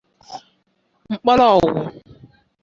Nkpologwu